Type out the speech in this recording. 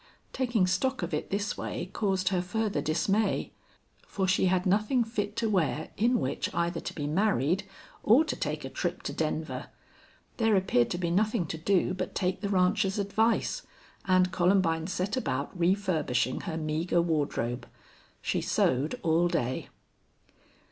Taking stock of it this way caused her further dismay, for she had nothing fit to wear in which either to be married or to take a trip to Denver. There appeared to be nothing to do but take the rancher's advice, and Columbine set about refurbishing her meager wardrobe. She sewed all day.